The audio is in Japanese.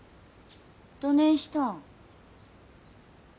どねんしたん？